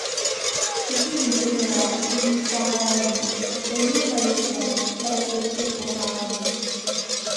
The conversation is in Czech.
Všichni vítězové získávají stejně veliké repliky pohárů.